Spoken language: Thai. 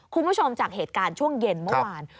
คุณผู้ชมจากเหตุการณ์ช่วงเย็นเมื่อวาน